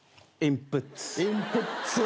インプッツ。